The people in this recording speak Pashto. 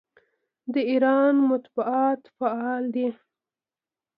د ایران مطبوعات فعال دي.